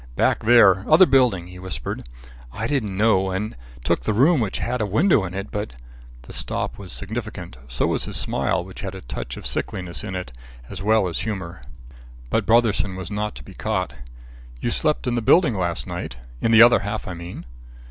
Back there, other building," he whispered. "I didn't know, and took the room which had a window in it; but " The stop was significant; so was his smile which had a touch of sickliness in it, as well as humour. But Brotherson was not to be caught. "You slept in the building last night? In the other half, I mean?"